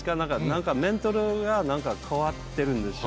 なんか、メンタルがなんか変わってるんですよ。